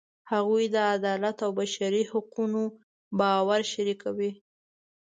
هغوی د عدالت او بشري حقونو باور شریکوي.